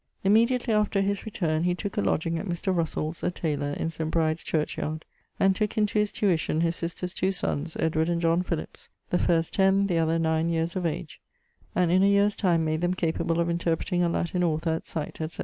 _> Immediately after his return he tooke a lodging at Mr. Russell's, a taylour, in St. Bride's churchyard, and took into his tuition his sister's two sons, Edward and John Philips, the first 10, the other 9 years of age; and in a year's time made them capable of interpreting a Latin authour at sight, etc.